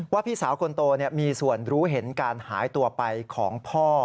พี่สาวคนโตมีส่วนรู้เห็นการหายตัวไปของพ่อ